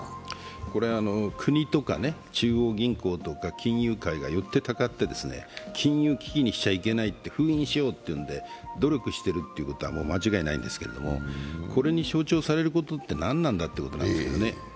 国とか中央銀行とか金融界がよってたかって金融危機にしちゃいけないっていうんで、封印しようというので努力していることは間違いないんですけど、これに象徴されることって何なんだということなんですね。